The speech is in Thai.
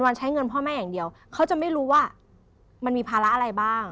วันใช้เงินพ่อแม่อย่างเดียวเขาจะไม่รู้ว่ามันมีภาระอะไรบ้าง